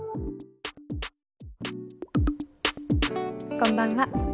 こんばんは。